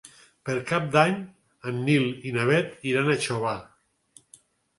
Per Cap d'Any en Nil i na Bet iran a Xóvar.